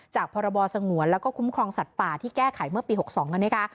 พรบสงวนแล้วก็คุ้มครองสัตว์ป่าที่แก้ไขเมื่อปี๖๒นะคะ